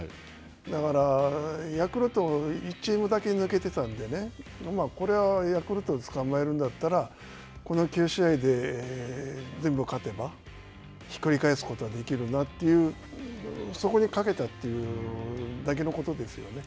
だから、ヤクルト１チームだけ抜けていたんで、これはヤクルトをつかまえるんだったら、この９試合で全部勝てば、ひっくり返すことはできるなという、そこにかけたというだけのことですよね。